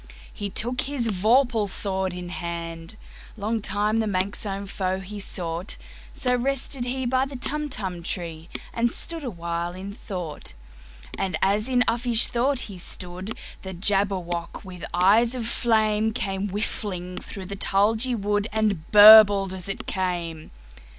He took his vorpal sword in hand:Long time the manxome foe he sought—So rested he by the Tumtum tree, And stood awhile in thought. And as in uffish thought he stood, The Jabberwock, with eyes of flame, Came whiffling through the tulgey wood, And burbled as it came!